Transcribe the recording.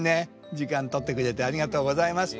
時間取ってくれてありがとうございました。